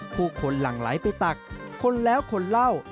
ผู้คนหลั่งไหลไปตักคนแล้วคนเล่า